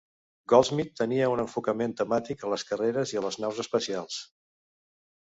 Goldsmith tenia un enfocament temàtic a les carreres i les naus espacials.